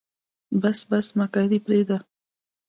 بس بس مکاري پرېده.